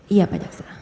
iya pak jaksa